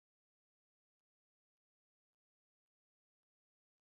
agatsinda izina niryo muntu